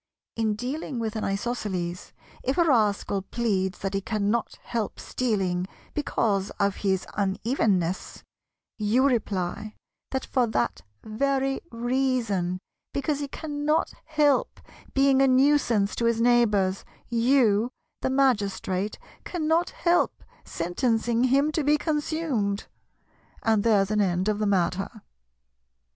In dealing with an Isosceles, if a rascal pleads that he cannot help stealing because of his unevenness, you reply that for that very reason, because he cannot help being a nuisance to his neighbours, you, the Magistrate, cannot help sentencing him to be consumed—and there's an end of the matter.